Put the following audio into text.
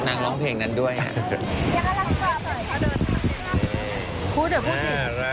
ก็นางร้องเพลงนั้นด้วยน่า